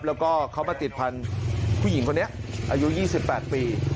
แล้วก็เขามาติดพันธุ์ผู้หญิงคนนี้อายุ๒๘ปี